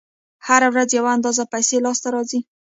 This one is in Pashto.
هره ورځ یوه اندازه پیسې لاس ته راځي